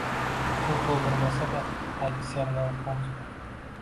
Suv to‘ldirilmasa-da, tagi sernam hovuz bo‘ldi.